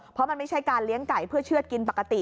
เพราะมันไม่ใช่การเลี้ยงไก่เพื่อเชื่อดกินปกติ